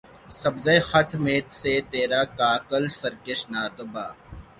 سبزۂ خط سے ترا کاکل سرکش نہ دبا